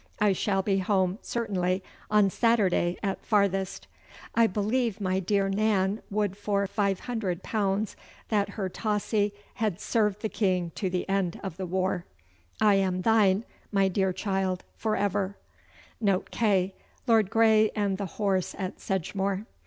I shall be home certainly on Saturday at farthest. I believe my deare Nan would for 500 pounds that her Tossey had served the King to the end of the war. I am thyne, my deare childe, for ever.' Note K. Lord Grey and the Horse at Sedgemoor.